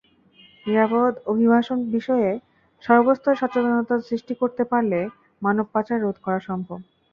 নিরাপদ অভিবাসন বিষয়ে সর্বস্তরে সচেতনতা সৃষ্টি করতে পারলে মানবপাচার রোধ করা সম্ভব।